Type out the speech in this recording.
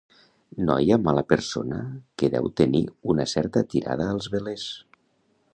Noia mala persona que deu tenir una certa tirada als velers.